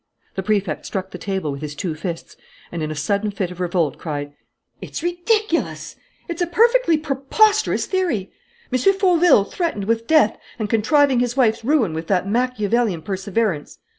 The Prefect struck the table with his two fists and, in a sudden fit of revolt, cried: "It's ridiculous! It's a perfectly preposterous theory! M. Fauville threatened with death and contriving his wife's ruin with that Machiavellian perseverance?